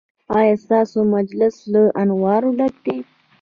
ایا ستاسو مجلس له انوارو ډک دی؟